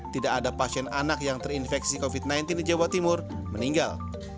tidak ada pasien anak yang terinfeksi covid sembilan belas di jawa timur meninggal